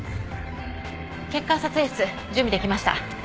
血管撮影室準備できました。